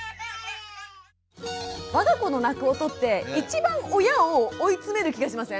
我が子の泣く音って一番親を追い詰める気がしません？